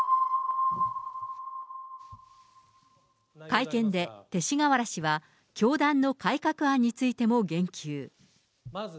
会見で、勅使河原氏は、教団の改革案についても言及。